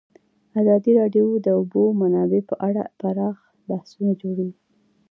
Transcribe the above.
ازادي راډیو د د اوبو منابع په اړه پراخ بحثونه جوړ کړي.